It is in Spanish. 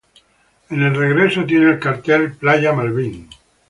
En el regreso tiene el cartel: Playa Malvín.